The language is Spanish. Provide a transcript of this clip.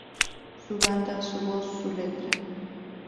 Su banda, su voz, sus letras.